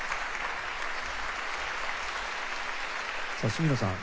角野さん